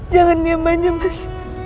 jangan diam aja mas